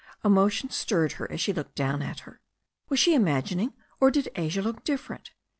Emotion stirred her as she looked down at her. Was she imagining, or did Asia look different?